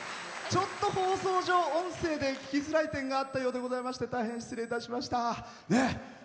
ちょっと放送上音声で聴きづらい点があったようで大変失礼いたしました。